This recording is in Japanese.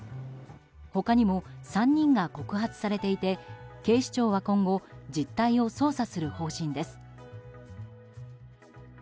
他にも３人が告発されていて警視庁は今後実態を捜査する方針です。